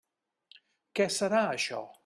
Què serà això?